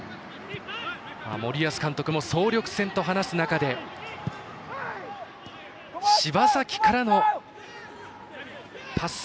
森保監督も総力戦と話す中で柴崎からのパス。